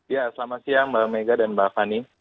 ya selamat siang mbak mega dan mbak fani